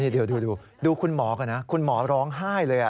เดี๋ยวดูคุณหมอก่อนนะคุณหมอร้องไห้เลย